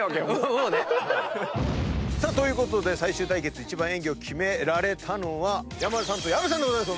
もうね。ということで最終対決一番演技をキメられたのは山田さんと薮さんでございます。